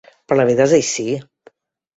Però la vida és així.